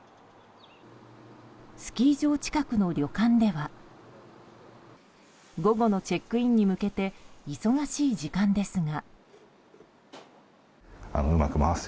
スキー場近くの旅館では午後のチェックインに向けて忙しい時間ですが。